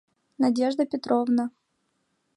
— Надежда Петровна.